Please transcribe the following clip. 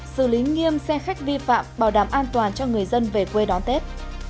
xử lý nghiêm xe khách vi phạm bảo đảm an toàn cho người dân về quê đón tết